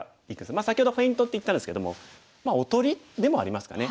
先ほどフェイントって言ったんですけどもまあおとりでもありますかね。